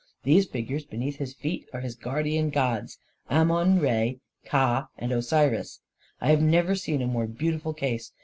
These figures beneath his feet are his guardian gods — Amon Re, Ka and Osiris. I have never seen a more beautiful case.